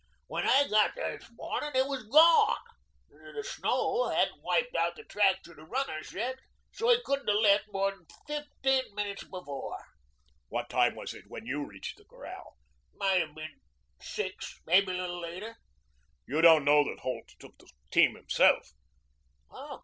When I got there this morning it was gone. The snow hadn't wiped out the tracks of the runners yet, so he couldn't have left more than fifteen minutes before." "What time was it when you reached the corral?" "Might have been six maybe a little later." "You don't know that Holt took the team himself?"